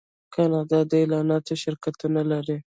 کاناډا د اعلاناتو شرکتونه لري.